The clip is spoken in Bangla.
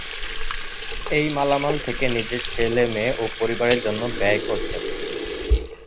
এই মালামাল থেকে নিজের ছেলে-মেয়ে ও পরিবারের জন্য ব্যয় করতেন।